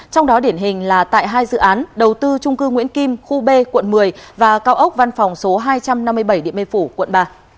trong đó điển hình là tại hai dự án đầu tư trung cư nguyễn kim khu b quận một mươi và cao ốc văn phòng số hai trăm năm mươi bảy điện mê phủ quận ba